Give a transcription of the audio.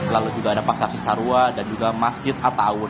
lalu juga ada pasar sisarua dan juga masjid ataun